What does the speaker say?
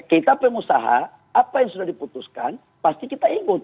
kita pengusaha apa yang sudah diputuskan pasti kita ikut